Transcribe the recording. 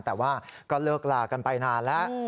แต่ว่าก็เลิกลากันไปนานแล้ว